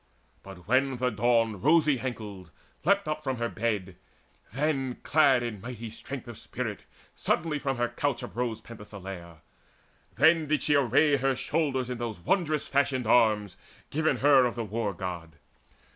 But when the Dawn, the rosy ankled, leapt Up from her bed, then, clad in mighty strength Of spirit, suddenly from her couch uprose Penthesileia. Then did she array Her shoulders in those wondrous fashioned arms Given her of the War god.